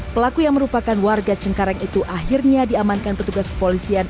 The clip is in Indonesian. pelaku yang merupakan warga cengkareng itu akhirnya diamankan petugas kepolisian